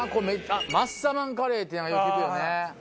マッサマンカレーってなんかよく聞くよね。